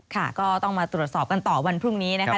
ค่ะก็ต้องมาตรวจสอบกันต่อวันพรุ่งนี้นะคะ